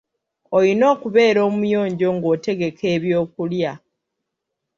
Oyina okubeera omuyonjo ng'otegeka ebyokulya.